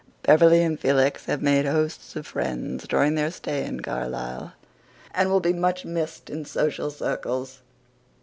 Beverley and Felix have made hosts of friends during their stay in Carlisle and will be much missed in social circles.